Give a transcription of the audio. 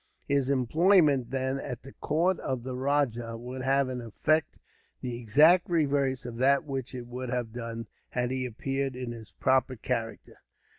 His employment, then, at the court of the rajah, would have an effect the exact reverse of that which it would have done, had he appeared in his proper character.